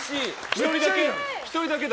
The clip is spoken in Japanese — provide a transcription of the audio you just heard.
１人だけだ。